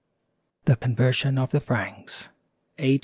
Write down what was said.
THE CONVERSION OF THE FRANKS, A.